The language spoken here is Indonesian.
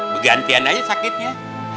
begantian aja sakitnya